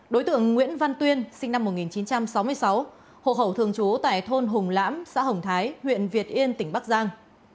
đối tượng nguyễn văn tuyên sinh năm một nghìn chín trăm sáu mươi sáu hộ khẩu thường trú tại thôn hùng lãm xã hồng thái huyện việt yên tỉnh bắc giang